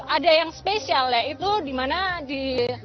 ada yang spesial yaitu di mana di